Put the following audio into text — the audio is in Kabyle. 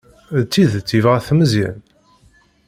D tidet yebɣa-t Meẓyan?